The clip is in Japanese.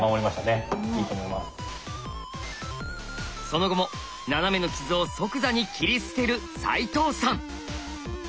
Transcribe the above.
その後もナナメの傷を即座に切り捨てる齋藤さん。